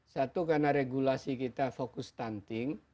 satu karena regulasi kita fokus stunting